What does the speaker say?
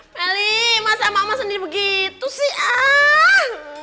melly masa mama sendiri begitu sih